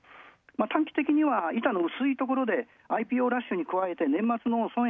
短期的には板の薄いところでＩＰＯラッシュ加えて年末の損益